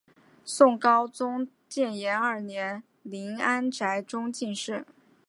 宋高宗建炎二年林安宅中进士。